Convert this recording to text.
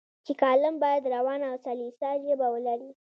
چې کالم باید روانه او سلیسه ژبه ولري.